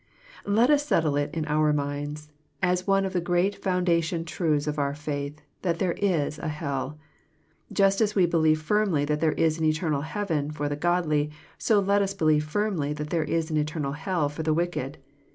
Let us settle it in our minds, as one of the great foun dation truths of our faith, that there is a hell. Just as we believe firmly that there is an eternal heaven for the godly, so let us believe firmly that there is an eternal hell for the wicked.